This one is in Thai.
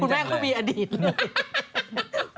คุณแม่คุณแม่เขามีอดีตเลย